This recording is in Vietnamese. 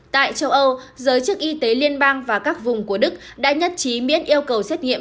tại châu âu giới chức y tế liên bang và các vùng của đức đã nhất trí miễn yêu cầu xét nghiệm